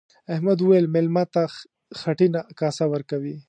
احمد وويل: مېلمه ته خټینه کاسه ورکوي.